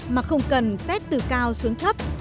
mà không cần xét từ cao xuống thấp